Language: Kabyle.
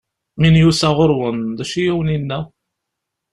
Mi n-yusa ɣur-wen, d acu i awen-yenna?